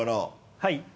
はい。